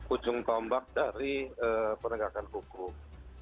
ujung tombak dari penegakan hukum